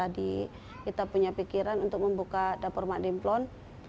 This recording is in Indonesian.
jadi kita punya pikiran untuk membuka dapur mak dimplon